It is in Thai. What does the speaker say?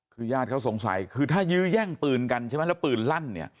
คือญาติเขาสงสัยคือถ้ายื้อแย่งปืนกันใช่ไหมแล้วปืนลั่นเนี่ย